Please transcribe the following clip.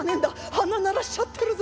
鼻鳴らしちゃってるぜ」。